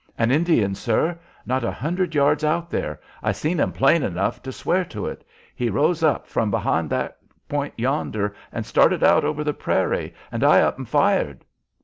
"An Indian, sir! Not a hundred yards out there! I seen him plain enough to swear to it. He rose up from behind that point yonder and started out over the prairie, and I up and fired."